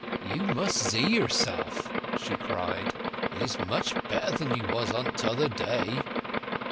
"You must zee yourself!" she cried. "It is much better than you was t'other day."